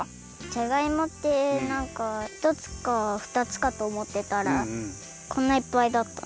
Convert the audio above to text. じゃがいもってなんかひとつかふたつかとおもってたらこんないっぱいだった。